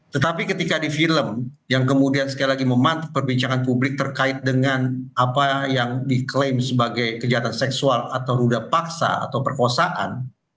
tetapi ketika di film yang kemudian sekali lagi memantau perbincangan publik terkait dengan apa yang diklaim sebagai kejahatan seksual atau ruda paksa atau perkosaan